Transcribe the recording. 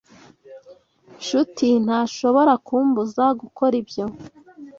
Nshuti ntashobora kumbuza gukora ibyo.